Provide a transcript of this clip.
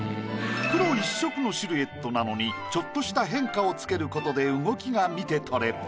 黒１色のシルエットなのにちょっとした変化を付ける事で動きが見て取れる。